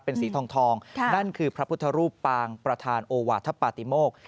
เป็นสีทองนั่นคือพระพุทธรูปปางประธานโอวาทปาติโมก